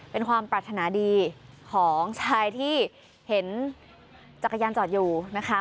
เป็นความปรารถนาดีของชายที่เห็นจักรยานจอดอยู่นะคะ